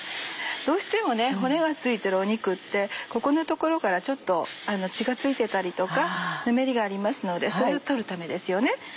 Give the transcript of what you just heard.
どうしても骨が付いてる肉ってここの所からちょっと血が付いてたりとかぬめりがありますのでそれを取るためですよね。